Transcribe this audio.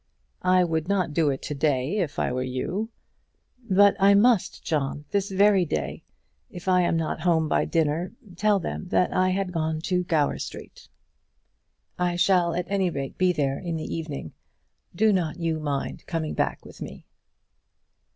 "I would not do it to day if I were you." "But I must, John; this very day. If I am not home by dinner, tell them that I had to go to Gower Street. I shall at any rate be there in the evening. Do not you mind coming back with me."